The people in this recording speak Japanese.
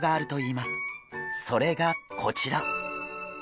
それがこちら。